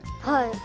はい。